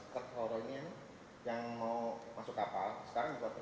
ket horenya yang mau masuk kapal sekarang juga berkemas